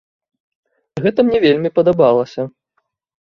Гэта мне вельмі падабалася.